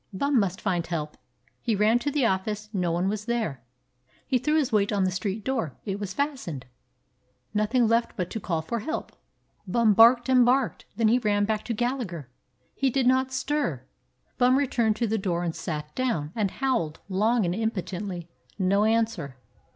Bum must find help. He ran to the office ; no one was there. He threw his weight on the street door; it was fastened. Nothing left but to call for help. Bum barked and barked. Then he ran back to Gallagher. He did not stir. Bum returned to the door, sat down, and howled long and impotently. No answer.